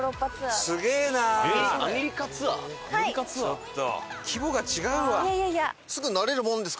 ちょっと。